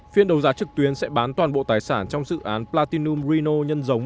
phiên đấu giá trực tuyến sẽ bán toàn bộ tài sản trong dự án platinum rino nhân giống